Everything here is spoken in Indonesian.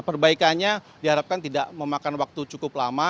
perbaikannya diharapkan tidak memakan waktu cukup lama